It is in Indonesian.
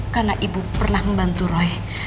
karena ibu pernah membantu roy